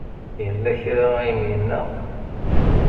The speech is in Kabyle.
Yella kra ay am-yenna?